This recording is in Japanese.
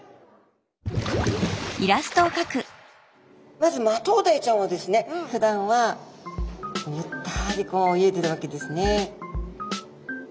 まずマトウダイちゃんはですねふだんはゆったりこう泳いでるわけですね。